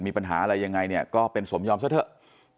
มีปัญหาอะไรยังไงเนี่ยก็เป็นสมยอมซะเถอะ